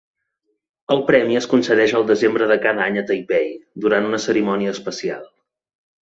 El premi es concedeix el desembre de cada any a Taipei durant una cerimònia especial.